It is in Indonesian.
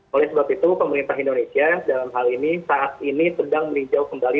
oleh sebab itu pemerintah indonesia dalam hal ini saat ini sedang meninjau kembali